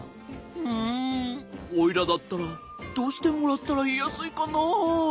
うんおいらだったらどうしてもらったらいいやすいかな。